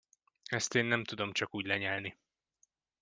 Ezt én nem tudom csak úgy lenyelni.